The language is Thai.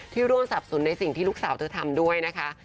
ร่วมสับสนในสิ่งที่ลูกสาวเธอทำด้วยนะคะ